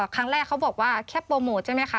เขาบอกว่าแค่โปรโมทใช่ไหมคะ